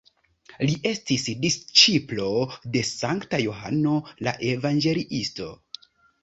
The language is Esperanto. Li estis disĉiplo de Sankta Johano la Evangeliisto.